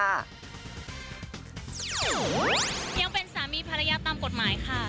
ยังเป็นสามีภรรยาตามกฎหมายค่ะ